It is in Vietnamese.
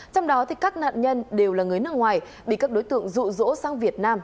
trong đó các nạn nhân đều là người nước ngoài bị các đối tượng rụ rỗ sang việt nam